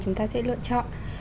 chúng ta sẽ lựa chọn